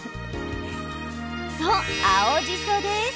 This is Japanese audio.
そう、青じそです。